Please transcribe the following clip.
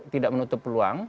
tidak menutup peluang